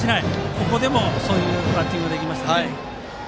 ここでもそういうバッティングでした。